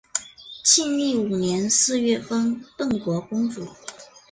庆历五年四月封邓国公主。